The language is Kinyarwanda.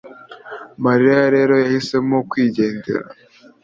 mariya rero yahisemo kwigendera